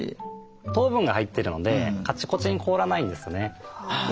糖分が入ってるのでカチコチに凍らないんですね。